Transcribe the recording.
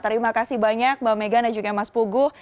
terima kasih banyak mbak megan dan juga mas pugu